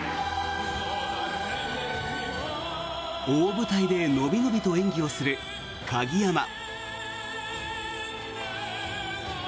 大舞台で伸び伸びと演技をする鍵山。